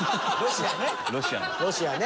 ロシアね。